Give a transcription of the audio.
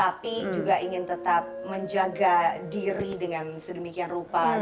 tapi juga ingin tetap menjaga diri dengan sedemikian rupa